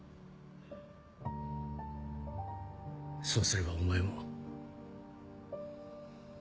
そうすればお前も。